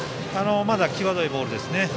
まだ際どいボールですね。